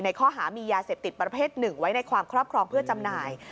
ข้อหามียาเสพติดประเภทหนึ่งไว้ในความครอบครองเพื่อจำหน่าย